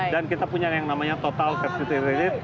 dan kita punya yang namanya total kertutir